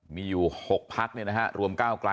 มีอยู่๖พักพัก